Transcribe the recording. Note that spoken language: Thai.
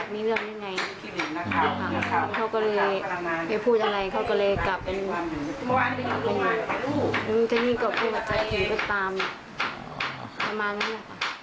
มีวิธีนี้ก็คือเจ้าเองก็ตามประมาณแม่งแหละค่ะ